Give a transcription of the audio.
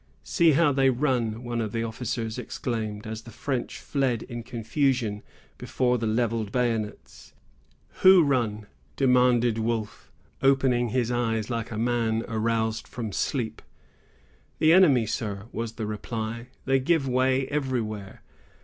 "See how they run," one of the officers exclaimed, as the French fled in confusion before the levelled bayonets. "Who run?" demanded Wolfe, opening his eyes like a man aroused from sleep. "The enemy, sir," was the reply; "they give way everywhere."